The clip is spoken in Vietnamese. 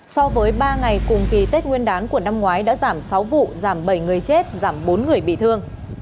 so với ba ngày cùng kỳ tết nguyên đán của năm ngoái đã giảm sáu vụ giảm bảy người chết giảm bốn người bị thương